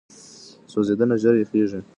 سوځېدنه ژر یخه کړئ.